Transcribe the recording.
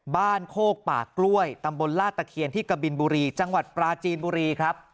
โคกป่ากล้วยตำบลลาดตะเคียนที่กะบินบุรีจังหวัดปราจีนบุรีครับ